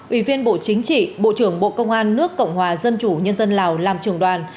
ủy viên bộ chính trị bộ trưởng bộ công an nước cộng hòa dân chủ nhân dân lào làm trường đoàn